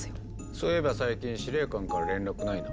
そういえば最近司令官から連絡ないな。